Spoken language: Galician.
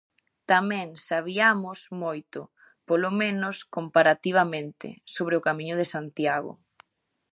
Tamén sabiamos moito -polo menos comparativamente- sobre o Camiño de Santiago.